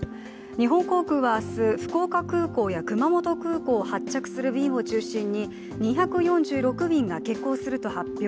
日本航空は明日、福岡空港や熊本空港を発着する便を中心に２４６便が欠航すると発表。